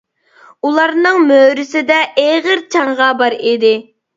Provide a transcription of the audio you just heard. ئۇلارنىڭ مۈرىسىدە ئېغىر چاڭغا بار ئىدى.